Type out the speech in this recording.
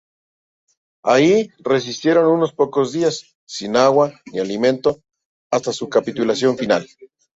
Allí resistieron unos pocos días sin agua ni alimento hasta su capitulación final.